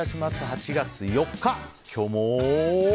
８月４日、今日も。